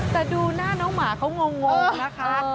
แต่ดูหน้าน้องหมาเขางงนะคะ